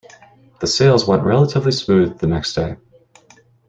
The sales went relatively smooth the next day.